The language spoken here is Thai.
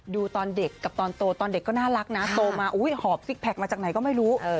ตอนเด็กกับตอนโตตอนเด็กก็น่ารักนะโตมาหอบซิกแพคมาจากไหนก็ไม่รู้